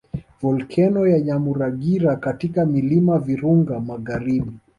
Volkeno ya Nyamuragira katika milima Virunga magharibi